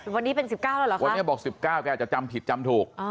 วันนี้เป็น๑๙แล้วเหรอคะวันนี้บอก๑๙แกอาจจะจำผิดจำถูก